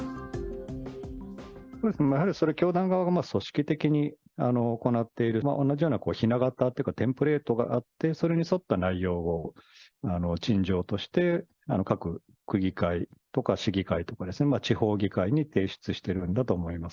やはりそれは教団側が組織的に行っている、同じようなひな型というか、テンプレートがあって、それに沿った内容を陳情として各区議会とか市議会とか、地方議会に提出してるんだと思います。